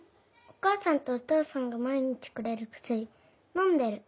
お母さんとお父さんが毎日くれる薬飲んでる。